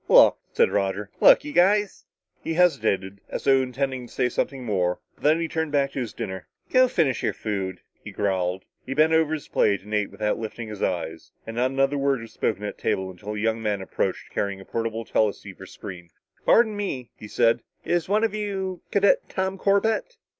"Look," said Roger. "Look, you guys " He hesitated, as though intending to say something more, but then he turned back to his dinner. "Go on finish your food," he growled. He bent over his plate and ate without lifting his eyes. And not another word was spoken at the table until a young man approached, carrying a portable teleceiver screen. "Pardon me," he said. "Is one of you Cadet Tom Corbett?"